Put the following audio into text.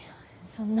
そんな。